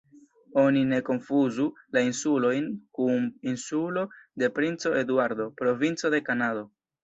Oni ne konfuzu la insulojn kun Insulo de Princo Eduardo, provinco de Kanado.